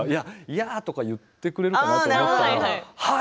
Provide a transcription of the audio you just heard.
嫌と言ってくれるかなと思ったら、はい！